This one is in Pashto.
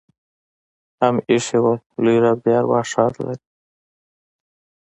هم ایښي وه. لوى رب دې ارواح ښاده لري.